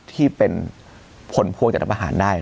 ที่เป็นผลพวงจากรับอาหารได้